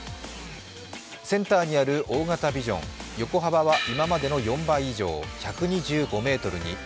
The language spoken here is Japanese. センターにある大型ビジョン、横幅は今までの４倍以上、１２５ｍに。